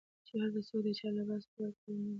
چې هلته څوک د چا لباس پورې کار نه لري